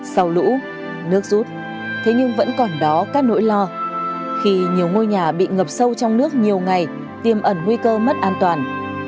sau lũ nước rút thế nhưng vẫn còn đó các nỗi lo khi nhiều ngôi nhà bị ngập sâu trong nước nhiều ngày tiêm ẩn nguy cơ mất an toàn